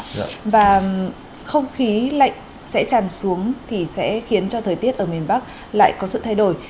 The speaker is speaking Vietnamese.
vâng không khí lạnh sẽ tràn xuống thì sẽ khiến cho thời tiết ở miền bắc lại có sự thay đổi